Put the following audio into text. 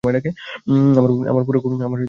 আমার পোড়া কপালের দোষ এটা।